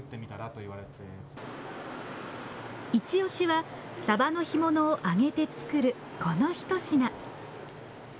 一押しはさばの干物を揚げて作るこの一品。